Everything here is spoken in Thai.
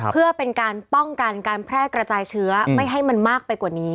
เพื่อเป็นการป้องกันการแพร่กระจายเชื้อไม่ให้มันมากไปกว่านี้